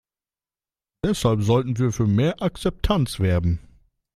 Deshalb sollten wir für mehr Akzeptanz werben.